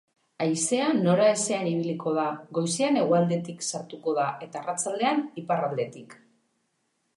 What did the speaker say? Haizea noraezean ibiliko da, goizean hegoaldetik sartuko da eta arratsaldean iparraldetik.